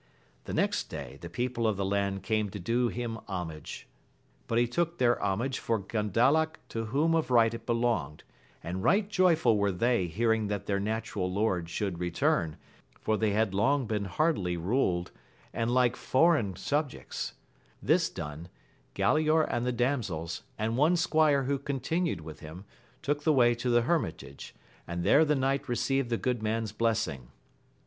The next day the people of the land came to da him homage, bot he t/^ik their hr/mage for Gamlalae to whom of right it belongfjd, and right joyfnl wer» they hearing that their natural hml should retom, for ibij had long beim Uar^VVy rdtA, wA XSimi Iui^a:^ AMADIS OF GAUL 77 sabjects. This done, Gkdaor and the damsels, and one squire who continued with him, took the way to the hermitage, and there the knight received the good man's blessing.